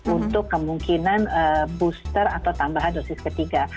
untuk kemungkinan booster atau tambahan dosis ketiga